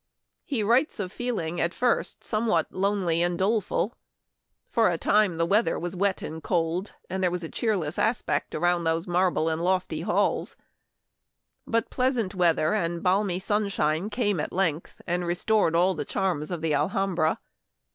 He writes of feeling at first somewhat "lonely and doleful." For a time the weather was wet and cold, and there was a 1 88 Memoir of Washington Irving. cheerless aspect around those marble and lofty halls. But pleasant weather and balmy sun shine came at length, and restored all the charms of the Alhambra.